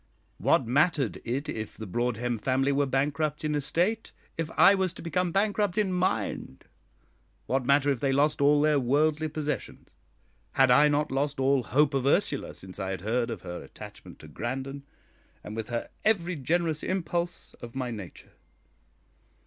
What mattered it if the Broadhem family were bankrupt in estate, if I was to become bankrupt in mind? What matter if they lost all their worldly possessions? Had I not lost all hope of Ursula since I had heard of her attachment to Grandon, and with her every generous impulse of my nature?